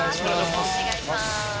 お願いします！